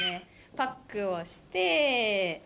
パックをして。